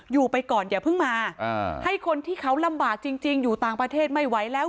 อยู่ไปก่อนอย่าเพิ่งมาให้คนที่เขาลำบากจริงอยู่ต่างประเทศไม่ไหวแล้ว